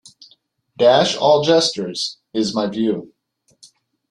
Dash all gestures, is my view.